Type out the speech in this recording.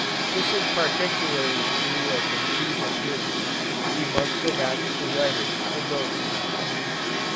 This is particularly true of the medieval period. We must go back to the writers of those times.